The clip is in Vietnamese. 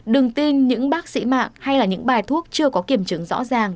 đừng tin những bác sĩ mạng hay là những bài thuốc chưa có kiểm chứng rõ ràng